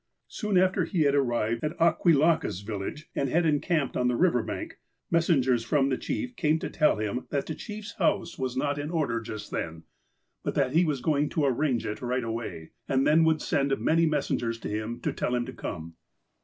Soon after he had arrived at Agweelakkah's village, and liad encamped on the river bank, messengers from the chief came to tell him that the chief's house was not FIRST FRUITS 145 in order just then, but that he was going to arrange it right away, and then would send many messengers to him to tell him to come.